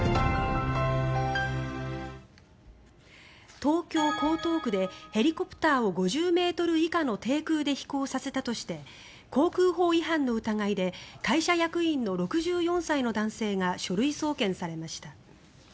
東京・江東区でヘリコプターを５０ｍ以下の低空で飛行させたとして航空法違反の疑いで会社役員の６４歳の男性が書類送検されました。